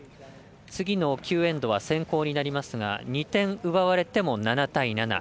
次の９エンドは先攻になりますが２点奪われても７対７。